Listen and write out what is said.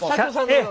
ええ。